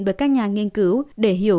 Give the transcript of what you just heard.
bởi các nhà nghiên cứu để hiểu